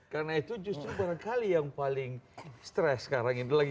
karena itu justru barangkali yang paling stress sekarang ini